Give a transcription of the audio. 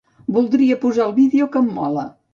Voldria posar el vídeo que em mola.